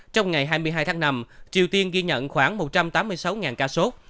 trong ngày hai mươi hai tháng năm triều tiên ghi nhận khoảng một trăm tám mươi sáu ca sốt